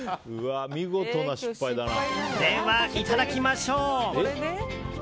では、いただきましょう。